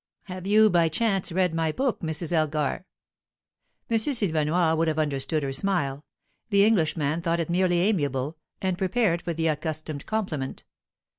"Have you, by chance, read my book, Mrs. Elgar?" M. Silvenoire would have understood her smile; the Englishman thought it merely amiable, and prepared for the accustomed compliment.